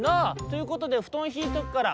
「ということでふとんひいとくから」。